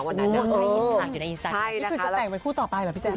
คุณคือจะแต่งเป็นคู่ต่อไปหรอพี่แจ้น